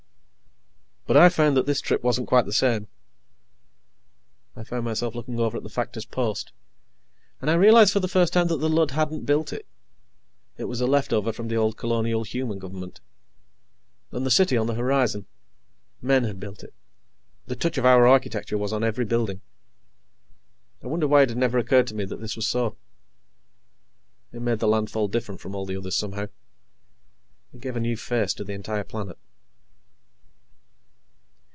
But I found that this trip wasn't quite the same. I found myself looking at the factor's post, and I realized for the first time that the Lud hadn't built it. It was a leftover from the old colonial human government. And the city on the horizon men had built it; the touch of our architecture was on every building. I wondered why it had never occurred to me that this was so. It made the landfall different from all the others, somehow. It gave a new face to the entire planet.